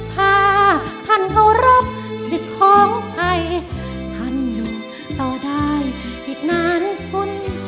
ถ้าท่านเคารพสิทธิ์ของใครท่านอยู่ต่อได้อีกนานคุณ